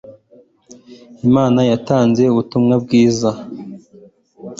imana yatanze ubutumwa bwiza